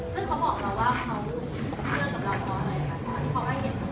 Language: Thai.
ซึ่งเขาบอกเราว่าเขาเชื่อกับเราเพราะอะไรค่ะเพราะว่าเขาอาเย็นกับเรา